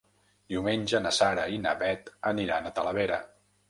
Diumenge na Sara i na Bet aniran a Talavera.